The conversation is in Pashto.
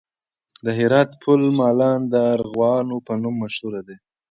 د هرات پل مالان د ارغوانو په نوم مشهور دی